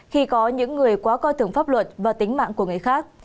khi có những người quá coi thường pháp luật và tính mạng của người khác